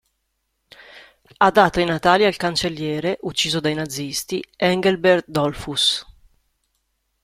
Ha dato i natali al cancelliere, ucciso dai nazisti, Engelbert Dollfuss.